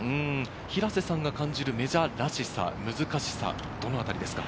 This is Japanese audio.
平瀬さんが感じるメジャーらしさ、難しさはどのあたりですか？